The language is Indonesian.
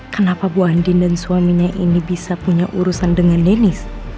kenapa bu andin dan suaminya ini bisa punya urusan dengan deniz